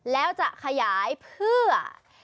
แล้วจะขยายเพื่อ